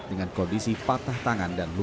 dengan kondisi patah tangan dan luhut